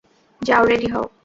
যাও রেডি হও।